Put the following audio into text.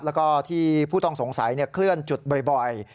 แล้วก็ที่ผู้ต้องสงสัยเคลื่อนจุดบ่อย